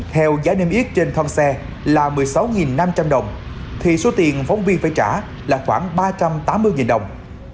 theo giá niêm yết trên thoan xe là một mươi sáu năm trăm linh đồng thì số tiền phóng viên phải trả là khoảng ba trăm tám mươi đồng